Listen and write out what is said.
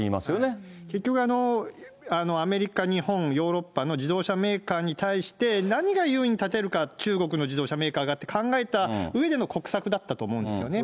結局、アメリカ、日本、ヨーロッパの自動車メーカーに対して、何が優位に立てるか、中国の自動車メーカーがって考えたうえでの国策だったと思うんですよね。